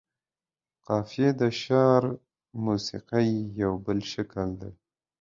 قافيه د شعر موسيقۍ يو بل شکل دى.